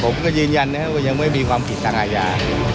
ผมก็ยืนยันนะครับว่ายังไม่มีความผิดทางอาญา